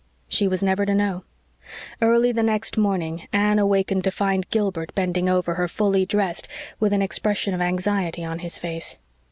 She was never to know. Early the next morning Anne awakened to find Gilbert bending over her, fully dressed, and with an expression of anxiety on his face.